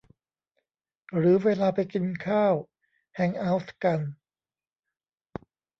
หรือเวลาไปกินข้าว แฮงก์เอาต์กัน